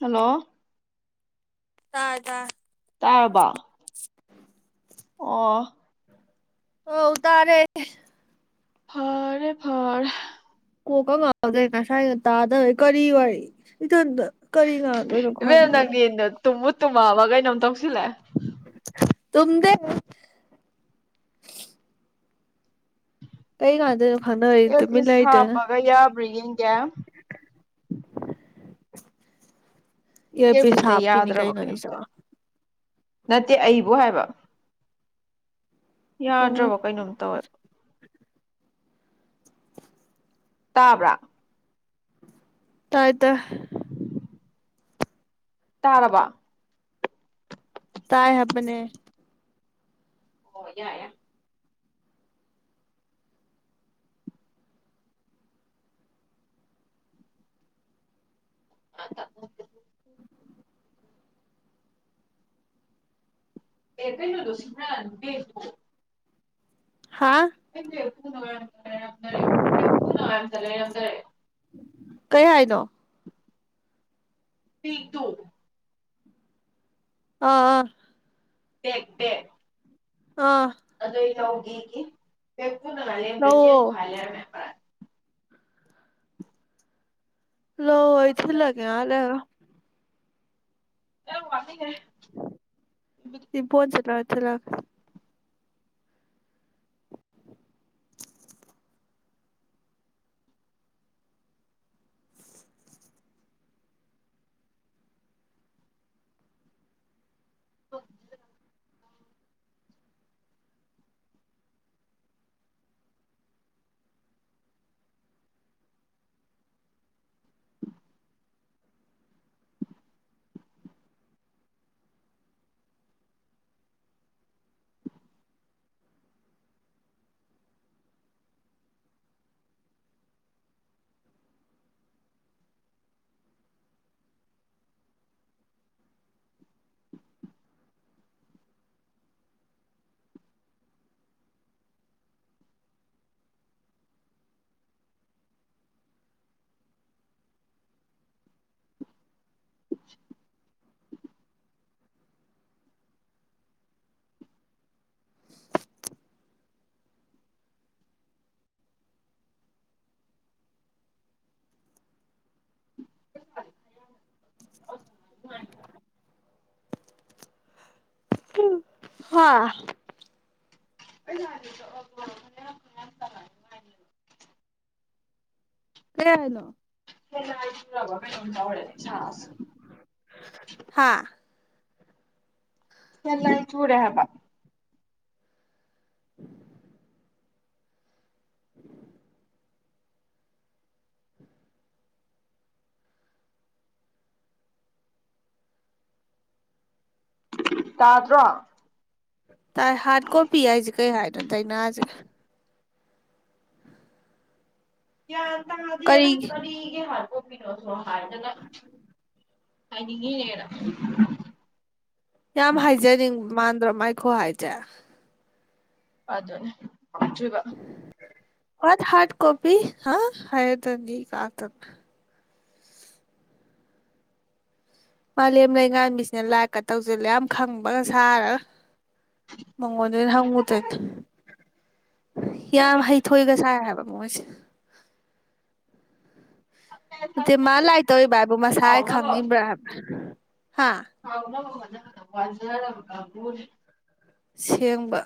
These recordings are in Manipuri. ꯍꯜꯂꯣ ꯇꯥꯢ ꯇꯥꯢ ꯇꯥꯔꯕꯣ ꯑꯣ ꯍꯧ ꯇꯥꯔꯦ ꯐꯔꯦ ꯐꯔꯦ ꯀꯣꯛꯀ ꯉꯥꯎꯗꯩ ꯉꯁꯥꯏꯅ ꯇꯥꯗꯕꯩ ꯀꯔꯤ ꯋꯥꯔꯤ ꯏꯊꯟꯇ ꯀꯔꯤꯒꯥꯗꯔꯣ ꯈꯥꯟ ꯏꯕꯦꯝ ꯅꯪꯗꯤꯅ ꯇꯨꯝꯕꯨ ꯇꯨꯝꯃꯑꯕ ꯀꯩꯅꯣꯝ ꯇꯧꯁꯤꯂꯛꯑꯦꯇꯧꯁꯤꯜꯂꯦ ꯇꯨꯗꯦ ꯀꯩ ꯀꯥꯟꯗꯣꯢꯅꯣ ꯑꯌꯔ ꯄꯤꯁ ꯍꯥꯄꯒ ꯌꯥ ꯄ꯭ꯔꯤ ꯌꯦꯡꯒꯦ [inaudible] ꯏꯌꯔ ꯄꯤꯁ ꯏꯌꯥꯔꯄꯤꯁꯇ ꯍꯥꯄꯤꯅꯤ ꯌꯥꯗ꯭ꯔꯕ ꯀꯩꯅꯣ ꯀꯩꯅꯣꯝ ꯑꯩꯁꯨ ꯇꯧꯋꯦ ꯅꯠꯇꯦ ꯑꯩꯕꯨ ꯍꯥꯏꯕ ꯎꯝ ꯌꯥꯗ꯭ꯔꯕꯣ ꯀꯩꯅꯣꯝ ꯇꯧꯋꯦꯕ ꯇꯥꯕ꯭ꯔꯥ ꯇꯥꯏ ꯇꯥꯢ ꯎ ꯇꯥꯔꯕ ꯇꯥꯏ ꯍꯥꯢꯕꯅꯦ ꯑꯣ ꯌꯥ ꯌꯥ ꯑ ꯑꯦ ꯀꯩꯅꯣꯗꯨ ꯁꯤꯃ꯭ꯔ ꯀ ꯇ ꯍꯥꯥ ꯍ [unintelligible] ꯑꯦ ꯀꯩ ꯍꯥꯏꯅꯣ ꯄꯤꯇꯣ ꯑꯥ ꯕꯦꯛ ꯕꯦꯛ ꯑꯥ ꯑꯗꯨꯗ ꯐ ꯆꯦꯟ ꯂꯧꯋꯣ ꯄꯣꯈꯥꯢ ꯂꯩꯔꯝꯃꯦ ꯍꯥꯢꯕ ꯂꯧ ꯑꯩ ꯊꯤꯜꯍꯜꯂꯛꯀꯦ ꯉꯥꯢꯍꯥꯛ ꯂꯩꯔꯒ ꯑ ꯋꯥꯅꯤꯒꯦ ꯏꯕꯣ ꯆꯠ ꯏꯂ ꯑꯣ [unintelligible] [unintelligible] ꯍ ꯑ ꯌꯥꯅꯤ ꯇꯅꯤ ꯀꯩ ꯑꯂꯣ ꯍꯂꯕ ꯀꯩꯅ ꯇꯦ ꯆ ꯍꯥ ꯆꯂ ꯆꯨꯔꯨꯔꯦ ꯍꯥꯏꯕ [unintelligible] ꯇꯥ ꯇ꯭ꯔꯣ ꯇꯥꯏ ꯍꯥꯠ ꯀꯣ ꯄꯤ ꯍꯥꯏꯁꯤ ꯀꯩ ꯍꯠ ꯗꯏꯅꯖ ꯀ ꯃꯗ ꯀꯔꯤꯒꯤ ꯀꯅꯤꯒꯦ ꯃꯥꯦ ꯀꯣꯕꯤꯔꯁꯣ ꯍꯗ ꯀꯅꯤꯡꯉꯅꯦꯗꯥ ꯌꯥꯝ ꯍꯥꯏꯖꯅꯤꯡꯕ ꯃꯥꯥꯟꯗ꯭ꯔ ꯃꯥꯏ ꯈꯣꯍ ꯍꯥꯏ ꯆꯦ ꯑꯗꯨ ꯑꯗꯨꯅꯦ ꯍꯧꯆꯣꯏꯕ ꯃ ꯍ ꯍꯥꯠ ꯀꯣꯄꯤꯤ ꯑ ꯍꯥꯏꯗꯅꯤꯒꯇꯗ ꯃꯥꯂꯦꯝ ꯂꯩꯉꯥꯟꯕꯤꯁꯤꯅ ꯂꯥꯛꯀ ꯇꯧꯁꯤꯜꯂꯦ ꯌꯥꯝ ꯈꯪꯕꯒ ꯁꯥꯔꯒ ꯃꯉꯣꯟꯗꯩꯅ ꯍꯪꯉꯨꯗꯣꯏꯅꯦ ꯌꯥꯝ ꯍꯩꯊꯣꯏꯒ ꯁꯥꯏ ꯍꯥꯏꯕ ꯃꯣꯁ ꯑꯗꯨꯗꯤ ꯃꯥ ꯂꯥꯏ ꯇꯧꯔꯤꯕ ꯍꯥꯏꯕ ꯃꯁꯥ ꯈꯪꯉꯤꯕ꯭ꯔꯥ ꯍꯥꯏꯕ ꯍꯥ ꯍꯥꯎ ꯋꯥꯖꯔ ꯀꯕꯨ ꯁꯦꯡꯕ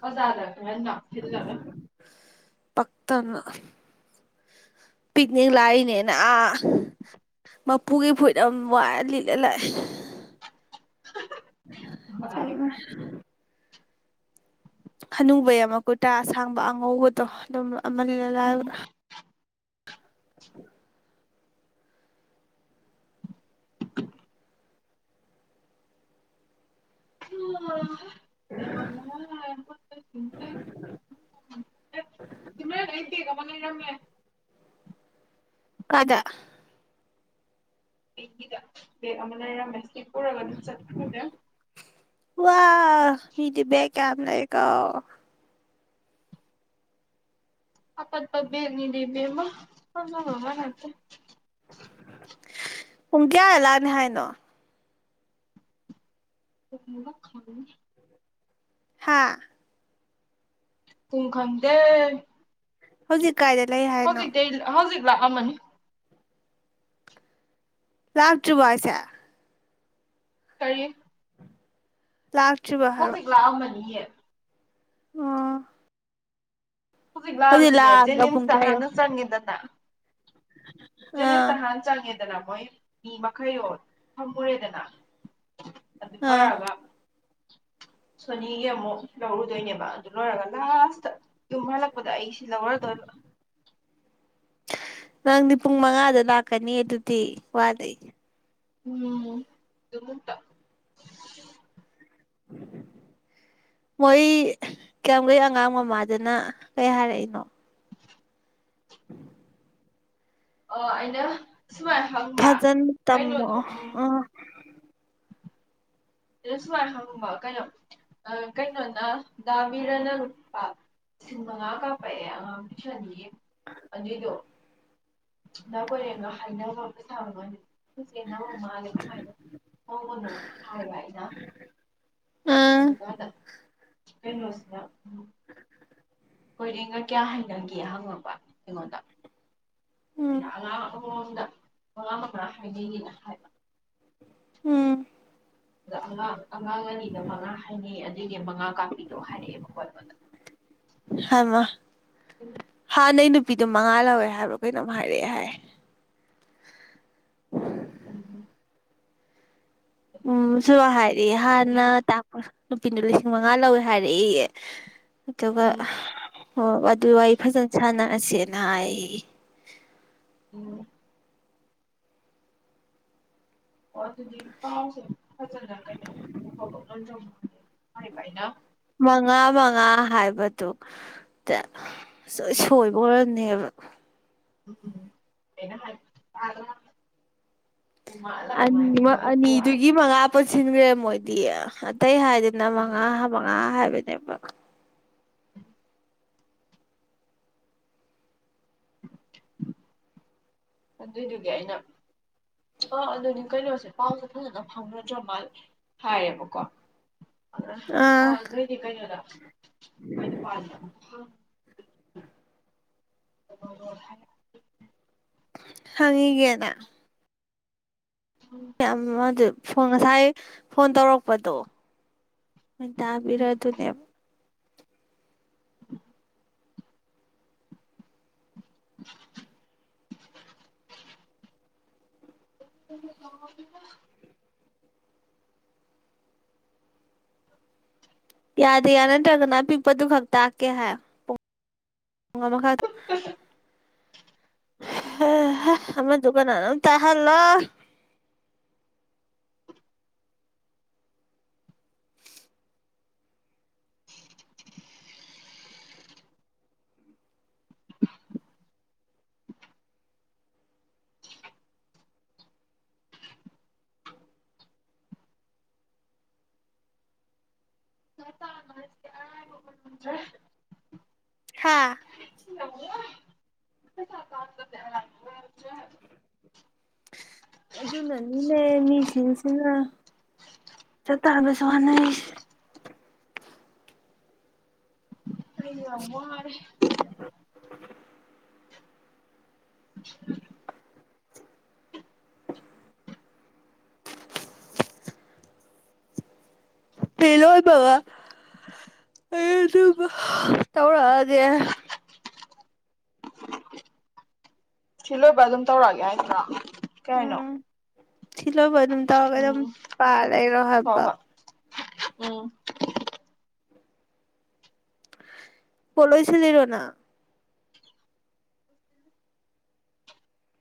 ꯍꯖꯥꯗ ꯐꯂ ꯄꯛꯇꯅ ꯄꯤꯛꯅꯤꯛ ꯂꯥꯛꯏꯅꯦꯅ ꯃꯄꯨꯒꯤ ꯐꯨꯠ ꯌꯥꯝ ꯋꯥꯔ ꯂꯤꯠꯂ ꯂꯥꯛꯏꯦ ꯆꯃ ꯑꯅꯨꯕꯩ ꯑꯃꯀꯨꯇꯥ꯭ꯔꯥ ꯑꯁꯥꯡꯕ ꯑꯉꯧꯕꯗꯣ ꯑꯗꯨꯝ ꯑꯃꯅ [inaudible] [unintelligible] [unintelligible] ꯂꯩꯔꯝꯃꯦ ꯀꯥꯏꯗ ꯗ ꯑꯅ ꯃꯦꯁꯄꯨꯔ ꯑꯒꯗ ꯆꯠꯈ꯭ꯔꯗ [inaudible] ꯋꯥ ꯃꯤꯗꯤ ꯕꯦꯛ ꯌꯥꯝ ꯂꯩꯀꯣ ꯑꯄꯠꯄꯕꯦꯔꯅꯤꯗꯦꯕꯦꯝꯃꯃ ꯃꯃꯅꯥꯠꯇꯦ [inaudible] ꯄꯨꯡ ꯀꯌꯥꯗ ꯂꯥꯛꯅꯤ ꯍꯥꯢꯅꯣ ꯃꯂ ꯈ [inaudible] ꯍꯥꯥ ꯄꯨꯡ ꯈꯪꯗꯦ ꯍꯧꯖꯤꯛ ꯀꯥꯏꯗ ꯂꯩ ꯍꯥꯏꯅꯣ ꯂꯥꯛ ꯑꯛꯃꯅꯤ ꯂꯛꯇꯔꯤꯕꯣ ꯍꯥꯏꯁꯦ ꯀꯔꯤ ꯂꯥꯛꯇ꯭ꯔꯤꯕ ꯍꯥꯏꯕ ꯍꯧꯖꯤꯛ ꯂꯛꯑꯝꯃꯅꯤꯌꯦ ꯑꯣ ꯍꯧꯖꯤꯛ ꯂꯥꯛꯑꯁꯨꯅꯦ ꯂꯥꯛꯑꯒ ꯄꯨꯡ ꯖꯦꯅꯤꯝꯁꯇ ꯀꯌꯥ ꯌꯧ ꯍꯥꯟꯅ ꯆꯪꯉꯦꯗꯅ ꯅꯤ ꯑꯥ ꯁꯍꯟ ꯆꯥꯂꯤꯌꯥ [inaudible] ꯃꯣꯏ ꯃꯤ ꯃꯈꯩꯗꯣ ꯊꯝꯃꯨꯔꯦꯗꯅ ꯑꯗꯨ ꯑꯥ ꯂꯣꯢꯔꯕ ꯁꯣꯅꯤꯒꯤ ꯑꯃꯨꯛ ꯂꯧꯔꯨꯗꯣꯏꯅꯦꯕ ꯑꯗꯨ ꯂꯣꯏꯔꯒ ꯂꯥꯁꯇ ꯌꯨꯝ ꯍꯜꯂꯛꯄꯗ ꯑꯩꯁꯤ ꯂꯧꯔꯗꯣꯏꯕ ꯅꯪꯗꯤ ꯄꯨꯡ ꯃꯉꯥꯗ ꯂꯥꯛꯀꯅꯤ ꯑꯗꯨꯗꯤ ꯋꯥꯗꯩ ꯎꯝ ꯑꯗꯨꯇ [inaudible] ꯃꯣꯏ ꯀꯌꯥꯝꯒꯩ ꯑꯉꯥꯡ ꯃꯃꯥꯗꯨꯅ ꯀꯩ ꯍꯥꯏꯔꯛꯏꯅꯣ ꯑꯣ ꯑꯩꯅ ꯁꯨꯃꯥꯏꯅ ꯍꯪꯕ ꯐꯖꯅ ꯇꯝꯃꯣ ꯀꯩꯅꯣꯗꯣ ꯎꯝ ꯑꯣ ꯑꯩꯅ ꯁꯨꯃꯥꯏꯅ ꯍꯪꯕ ꯀꯩꯅꯣ ꯀꯩꯅꯣꯅ ꯗꯥ ꯕꯤꯔꯅ ꯂꯨꯄꯥ ꯂꯤꯁꯤꯡ ꯃꯉꯥ ꯀꯥꯞꯄꯛꯑꯦ ꯑꯉꯥꯡ ꯇꯨꯏꯁꯟꯒꯤ ꯑꯗꯨꯏꯗꯣ ꯗꯥ ꯀꯣꯏꯔꯦꯡꯒ ꯍꯥꯏꯅꯕ ꯄꯩꯁꯥ ꯃ ꯁ ꯃꯥꯅꯦ ꯀꯃꯥꯏꯅ ꯐꯣꯡꯕ ꯍꯥꯏ ꯑꯥ ꯑꯗꯨꯀꯥꯟꯗ ꯀꯩꯅꯣꯁꯤꯅ ꯍꯣꯏꯔꯦꯟꯒ ꯀꯌꯥ ꯍꯥꯏꯅꯒꯦ ꯍꯪꯉꯛꯄ ꯑꯩꯉꯣꯟꯗ ꯑꯩꯅ ꯎꯝ ꯑꯉꯥꯡ ꯑꯃꯃꯝꯗ ꯃꯉꯥ ꯃꯉꯥ ꯄꯤꯕꯤꯌꯦꯅ ꯍꯥꯏꯕ ꯎꯝ [unintelligible] ꯑꯉꯥꯡ ꯑꯅꯤꯗ ꯃꯉꯥ ꯍꯥꯏꯅꯩ ꯃꯉꯥ ꯀꯥꯡꯕꯤꯌꯣ ꯍꯥꯏꯔꯛꯑꯦꯕ ꯀꯣꯕꯗ ꯍꯥꯏꯃ ꯅꯨꯄꯤꯗꯨꯣ ꯃꯉꯥ ꯂꯧꯋꯦ ꯍꯥꯏꯕ꯭ꯔꯣ ꯀꯩꯅꯣꯝ ꯍꯥꯏꯔꯛꯑꯦ ꯍꯥꯏ ꯎꯝ ꯎꯝ ꯁꯨ ꯑ ꯍꯥꯏꯔꯤ ꯑꯗꯨꯗꯤ ꯍꯥꯥꯟꯅ ꯇꯥꯄ ꯅꯨꯄꯤꯅꯣ ꯂꯤꯁꯤꯡ ꯃꯉꯥ ꯂꯧꯋꯦ ꯍꯥꯏꯔꯛꯏꯌꯦ ꯑꯗꯨꯒ ꯎꯝ ꯍ ꯑꯗꯨ ꯋꯥ ꯐꯖꯅ ꯁꯥꯟꯅꯔꯁꯤ ꯆꯅꯥꯏ ꯎꯝ ꯑꯣ ꯑꯗꯨꯗꯤ ꯄꯥꯎꯁꯦ ꯐꯖꯅ ꯀꯥꯏ ꯐꯥꯎꯛꯅ ꯆꯣꯡ ꯃꯥ ꯐꯥꯏꯅ ꯃꯉꯥ ꯃꯉꯥ ꯍꯥꯏꯕꯗꯨ ꯁꯣꯏꯕ ꯑꯣꯏꯔꯅꯦꯕ [unintelligible] ꯎꯝꯩꯅ ꯑꯅꯤ ꯑꯅꯤꯗꯨꯒꯤ ꯃꯉꯥ ꯄꯨꯟꯁꯤꯟꯈ꯭ꯔꯦ ꯃꯣꯏꯗꯤ ꯑꯇꯩ ꯍꯥꯏꯗꯅ ꯃꯉꯥ ꯃꯉꯥ ꯍꯥꯏꯕꯅꯦꯕ ꯑꯗꯨꯏꯗꯨꯒꯤ ꯑꯩꯅ ꯑꯥ ꯑꯗꯨꯗꯤ ꯀꯩꯅꯣꯁꯦ ꯄꯥꯎꯁꯦ ꯐꯖꯅ ꯐꯪꯅꯗ꯭ꯔ ꯃꯥꯜ ꯍꯥꯏꯌꯦꯦꯕꯀꯣ ꯑ ꯑꯣ ꯑꯥ ꯑꯗꯦ ꯆ ꯀꯩꯅꯂ ꯑ ꯄꯔꯂ [unintelligible] ꯍꯪꯤꯒꯦꯗ ꯑꯗꯨ ꯉꯁꯥꯏ ꯐꯣꯟ ꯇꯧꯔꯛꯄꯗꯣ ꯃ ꯇꯥꯕꯤꯔ ꯑꯗꯨꯅꯦ [unintelligible] ꯌꯥꯗ ꯌꯥꯅ ꯇꯒꯅꯥ ꯄꯤꯄ ꯇ ꯈꯛ ꯇꯥ ꯀ ꯍꯥꯏ ꯑꯣ ꯃꯈꯥ ꯑꯃ ꯀꯥꯟꯅ ꯇ ꯍꯜ ꯂꯣ ꯎꯝ ꯁ ꯍꯥꯥ ꯑꯗꯨꯅꯅꯤꯅꯦ ꯃꯤꯁꯤꯡꯁꯤꯅ ꯆꯠꯠꯇꯅꯕꯁꯨ ꯍꯣꯠꯅꯩ ꯌꯥꯉ ꯍꯔꯦ ꯂꯣꯏꯕꯕꯥ ꯑꯗꯨ ꯇꯧꯔꯛꯑꯒꯦ ꯁꯤ ꯂꯣꯏꯕ ꯑꯗꯨꯝ ꯇꯧꯔꯛꯑꯒꯦ ꯍꯥꯏꯗ꯭ꯔꯥ ꯀꯩ ꯍꯥꯏꯅꯣ ꯊꯂꯣꯕꯔ ꯇꯧꯒ ꯑꯗꯨꯝ ꯎꯝ ꯄꯥ ꯂꯩꯔꯣ ꯍꯣꯏ ꯍꯥꯏꯕ ꯍꯣꯏ ꯎꯝ ꯄꯣꯂꯣꯏꯁꯤꯔꯣꯅꯥ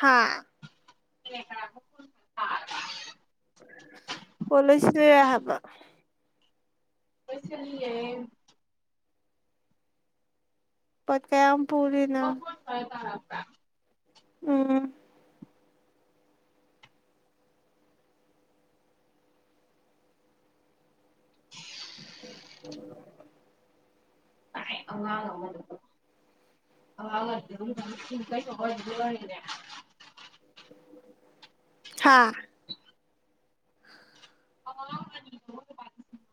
ꯍꯥꯥ ꯇꯥꯔꯕ ꯄꯣꯂꯁꯤ ꯍꯕ ꯂꯣꯏꯁꯤꯜꯂꯤꯌꯦ ꯄꯠ ꯀꯌꯥ ꯑꯃ ꯄꯔꯤꯅ ꯃꯈꯣꯟ ꯈꯔ ꯇꯥꯔꯛꯄ꯭ꯔꯥ ꯎꯝ [unintelligible] ꯇꯥꯏ ꯑꯉꯥꯡ ꯑꯃꯗꯣ [unintelligible] ꯍꯥꯥ ꯑꯉꯥꯡ ꯑꯅꯤꯗꯨꯕꯨ ꯂꯨꯄꯥ ꯂꯤꯁꯤꯡ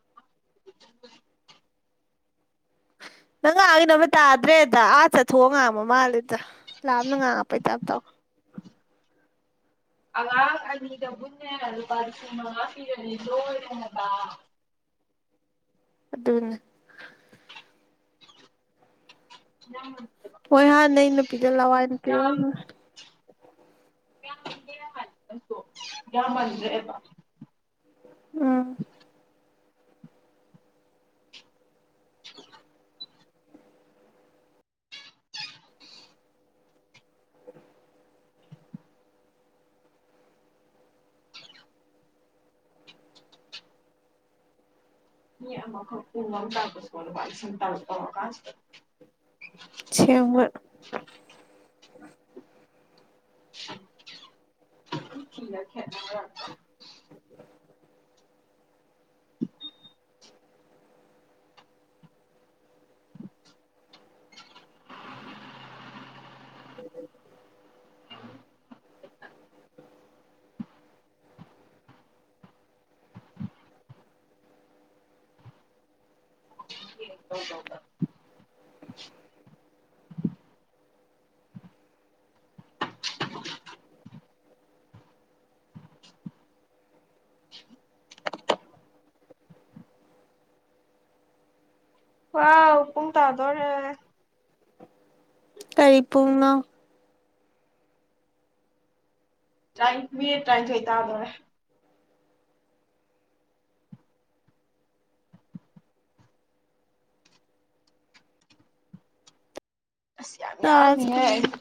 ꯅꯪ ꯉꯥꯡꯀꯩ ꯑꯃ ꯇꯥꯔꯦ ꯑꯥ ꯆꯠꯊꯣꯛꯑ ꯉꯥꯡꯕ ꯃꯥꯜꯂꯦꯗ ꯂꯥꯞꯅ ꯉꯥꯡꯉꯛꯄꯩ ꯇꯞ ꯇꯥꯎ [unintelligible] ꯑꯗꯨꯗ ꯍꯣꯏ ꯍꯥꯅꯩ ꯅꯨꯄꯤꯗꯣ ꯂꯋꯥꯅꯤꯄꯤ ꯌꯥꯝ ꯑꯣꯏꯔꯝꯅꯤ ꯌꯥꯝ ꯃꯟꯗ꯭ꯔꯦꯕ ꯎꯝ [unintelligible] [unintelligible] ꯁꯦꯡꯕ [unintelligible] [unintelligible] [unintelligible] ꯇꯧ ꯇꯧꯗꯅ ꯋꯥ ꯄꯨꯡ ꯇꯥꯗꯔꯦ ꯀꯔꯤ ꯄꯨꯡꯅꯣ ꯇꯥꯏ ꯃꯤꯅꯦꯠ ꯇꯥꯏꯅꯤꯊꯣꯏ ꯇꯥꯗꯣꯔꯦ ꯑꯁ ꯌꯥꯝ ꯇꯥꯔ ꯌꯥꯃꯦ ꯍꯥꯏ ꯆꯠꯄꯅꯤ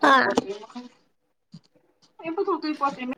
ꯍꯥ [unintelligible] [unintelligible]